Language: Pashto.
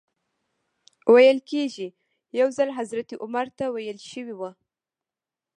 ویل کېږي یو ځل حضرت عمر ته ویل شوي و.